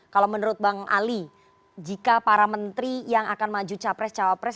kalau menurut bang ali jika para menteri yang akan maju capres cawapres